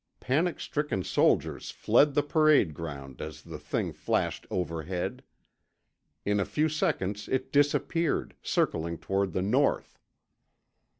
Panic stricken soldiers fled the parade ground as the thing flashed overhead. In a few seconds it disappeared, circling toward the north.